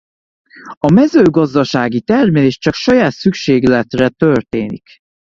A mezőgazdasági termelés csak saját szükségletre történik.